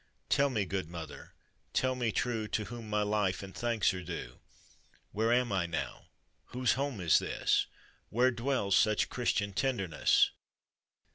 "Tell me, good mother, tell me true, To whom my life and thanks are due? Where am I now? Whose home is this? Where dwells such Christian tenderness?"